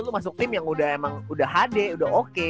lu masuk tim yang udah emang udah hd udah oke